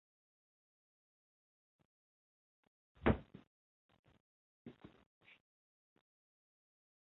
奇鳗为康吉鳗科奇鳗属的鱼类。